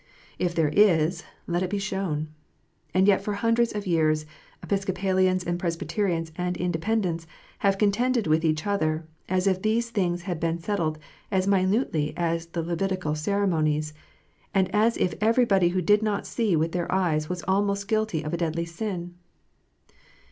If there is, let it be shown. And yet for hundreds of years Episcopalians and Presbyterians and Independents have contended with each other, as if these things had been settled as minutely as the Levitical ceremonies, and as if everybody who did not see with their eyes was almost guilty of a deadly sin